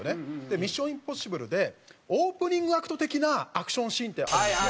『ミッション：インポッシブル』でオープニングアクト的なアクションシーンってあるんですよ。